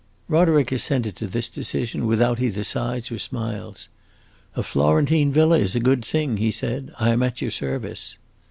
Roderick assented to this decision without either sighs or smiles. "A Florentine villa is a good thing!" he said. "I am at your service."